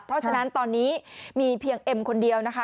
เพราะฉะนั้นตอนนี้มีเพียงเอ็มคนเดียวนะคะ